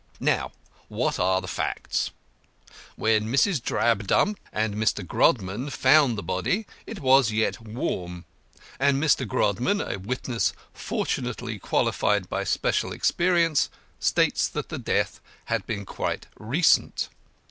Now, what are the facts? When Mrs. Drabdump and Mr. Grodman found the body it was yet warm, and Mr. Grodman, a witness fortunately qualified by special experience, states that death had been quite recent.